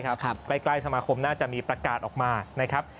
ใช่ครับไปใกล้สมาคมน่าจะมีประกาศออกมานะครับ